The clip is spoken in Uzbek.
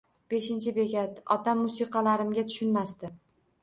Beshinchi bekat: Otam musiqalarimga tushunmasdi